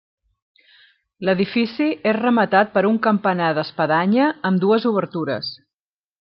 L'edifici és rematat per un campanar d'espadanya amb dues obertures.